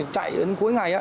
chạy cuối ngày